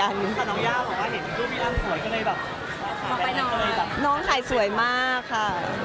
ก็คือพี่ที่อยู่เชียงใหม่พี่อธค่ะ